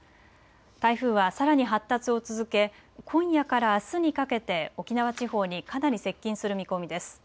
台風はさらに発達を続け今夜からあすにかけて沖縄地方にかなり接近する見込みです。